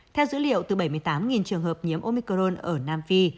theo dữ liệu từ bảy mươi tám trường hợp nhiễm omicron ở nam phi